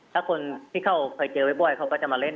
ถ้าคนที่เขาเคยเจอบ่อยเขาก็จะมาเล่น